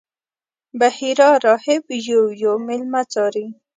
بحیرا راهب یو یو میلمه څاري.